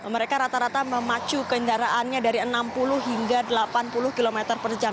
mereka rata rata memacu kendaraannya dari enam puluh hingga delapan puluh km per jam